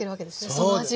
その味を。